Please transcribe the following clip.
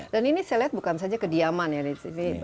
dan ini saya lihat bukan saja kediaman ya di sini